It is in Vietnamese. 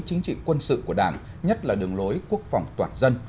chính trị quân sự của đảng nhất là đường lối quốc phòng toàn dân